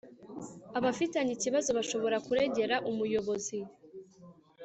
abafitanye ikibazo bashobora kuregera umuyobozi